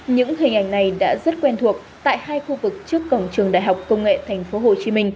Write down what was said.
những hình ảnh này đã rất quen thuộc tại hai khu vực trước cổng trường đại học công nghệ tp hcm